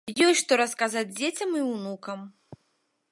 Ёсць што расказаць дзецям і ўнукам.